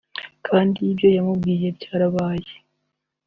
kandi ibyo yamubwiye byarabaye